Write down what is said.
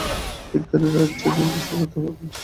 বিজ্ঞানের রাজ্যে গেমটি সফলতা পাবে।